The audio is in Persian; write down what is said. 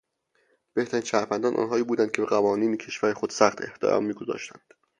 بهترین شهروندان آنهایی بودند که به قوانین کشور خود سخت احترام میگذاشتند.